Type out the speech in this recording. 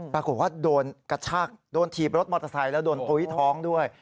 ปรากฏว่าโดนกระชากโดนถีบรถมอเตอร์ไซค์แล้วโดนปุ๊ยท้องด้วย